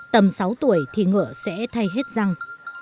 tầm sáu tuổi thì ngựa sẽ thay hết răng